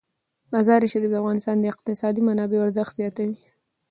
مزارشریف د افغانستان د اقتصادي منابعو ارزښت زیاتوي.